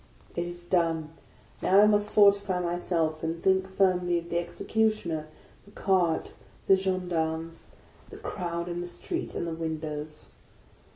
It is done. Now I must fortify myself, and think firmly of the Executioner, the cart, the gendarmes, the crowd in the street and the windows.